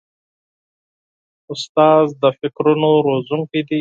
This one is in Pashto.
استاد د فکرونو روزونکی دی.